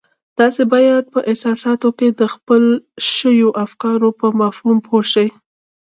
تاسې بايد په احساساتو کې د حل شويو افکارو پر مفهوم پوه شئ.